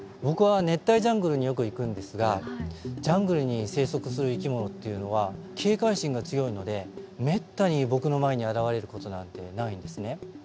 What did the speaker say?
僕は熱帯ジャングルによく行くんですがジャングルに生息する生き物っていうのは警戒心が強いのでめったに僕の前に現れることなんてないんですね。